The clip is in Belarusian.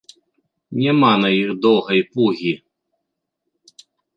Няма на іх доўгай пугі.